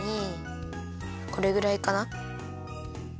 これぐらいかな。